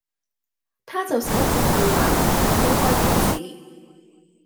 她就是一直叫冷卻推開被子